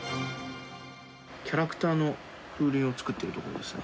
キャラクターの風鈴を作ってるところですね。